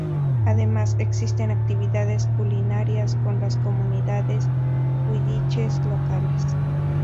Además existen actividades culinarias con las comunidades Huilliches locales.